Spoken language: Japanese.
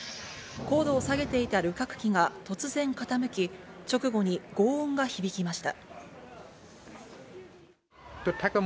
高度を下げていた旅客機が突然傾き、直後にごう音が響きました。